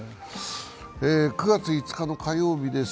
９月５日の火曜日です。